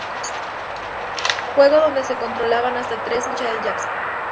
Juego donde se controlan hasta tres Michael Jackson.